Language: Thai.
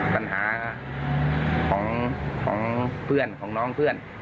ปัญหาของเพื่อนของน้องเพื่อน